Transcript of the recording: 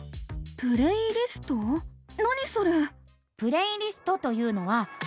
何それ？